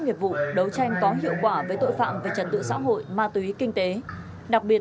nghiệp vụ đấu tranh có hiệu quả với tội phạm về trật tự xã hội ma túy kinh tế đặc biệt